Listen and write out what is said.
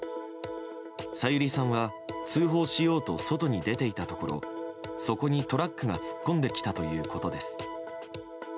小百合さんは通報しようと外に出ていたところそこにトラックが突っ込んできたということです。